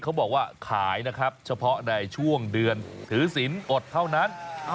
เขาบอกว่าขายนะครับเฉพาะในช่วงเดือนถือศิลป์อดเท่านั้น